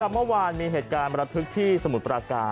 เมื่อวานมีเหตุการณ์ประทึกที่สมุทรปราการ